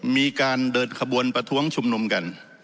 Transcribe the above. มีการเดินขบวนประท้วงชุมนุมกัน